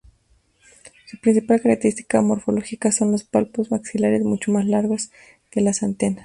Su principal característica morfológica son los palpos maxilares mucho más largos que las antenas.